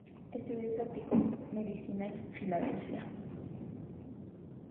Estudió y practicó medicina en Filadelfia.